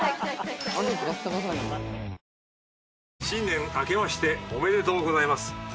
新年あけましておめでとうございます。